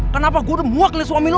kenapa gue udah muak lihat suami lu